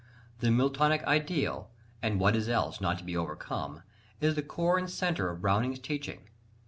The Miltonic ideal, "and what is else, not to be overcome," is the core and centre of Browning's teaching.